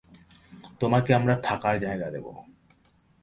তোমাকে আমরা থাকার জায়গা দেবো।